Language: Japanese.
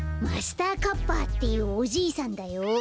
マスターカッパっていうおじいさんだよ。